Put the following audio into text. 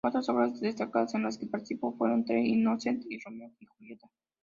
Otras obras destacadas en las que participó fueron "The Innocents" y "Romeo y Julieta".